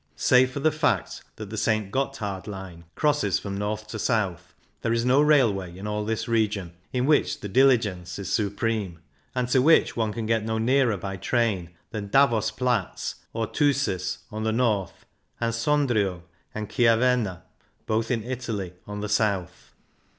Save for the fact that the St. Gotthard line crosses from north to south there is no railway in all this region, in which the diligence is su preme, and to which one can get no nearer by train than Davos Platz or Thusis on the north, and Sondrio and Chiavenna, both in Italy, on the south.